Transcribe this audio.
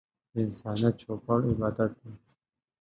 د انسانيت چوپړ عبادت دی.